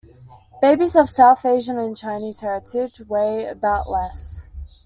Babies of south Asian and Chinese heritage weigh about less.